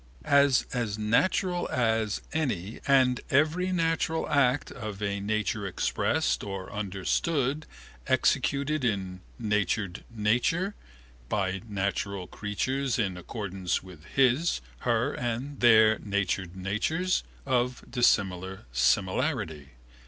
As as natural as any and every natural act of a nature expressed or understood executed in natured nature by natural creatures in accordance with his, her and their natured natures, of dissimilar similarity.